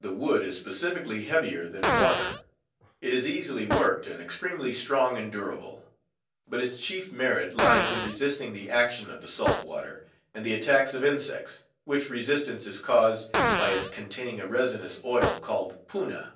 The wood is specifically heavier than water; it is easily worked, and extremely strong and durable. But its chief merit lies in resisting the action of the salt water, and the attacks of insects; which resistance is caused by its containing a resinous oil called _"poonja."